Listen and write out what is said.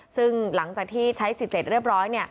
ซึ่งหลังจากที่ใช้สิทธิ์เสร็จเรียบร้อย